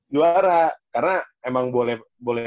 juara karena emang boleh